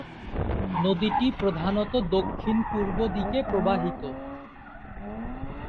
নদীটি প্রধানত দক্ষিণ-পূর্ব দিকে প্রবাহিত।